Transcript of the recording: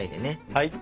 はい。